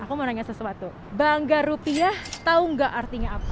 aku mau nanya sesuatu bangga rupiah tahu nggak artinya apa